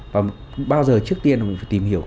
và bao giờ trước tiên mình phải tìm hiểu